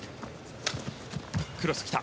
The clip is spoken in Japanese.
クロス、来た。